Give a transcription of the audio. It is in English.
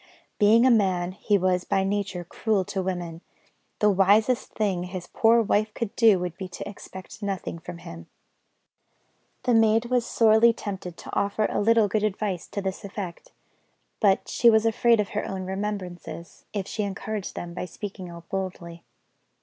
Being a man, he was by nature cruel to women; the wisest thing his poor wife could do would be to expect nothing from him. The maid was sorely tempted to offer a little good advice to this effect; but she was afraid of her own remembrances, if she encouraged them by speaking out boldly.